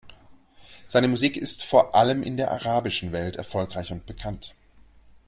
Seine Musik ist vor allem in der arabischen Welt erfolgreich und bekannt.